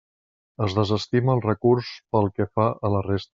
Es desestima el recurs pel que fa a la resta.